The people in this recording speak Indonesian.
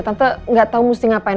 tante gak tau mesti ngapain